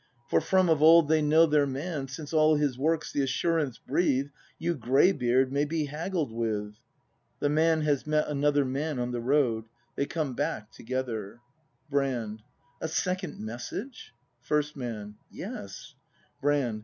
For from of old they know their man; — Since all his works the assurance breathe: "Yon gray beard may be haggled with!" [The Man has met another man on the road; they come back togetlier. Brand. A second message ! *o^ First Man. Yes. Brand.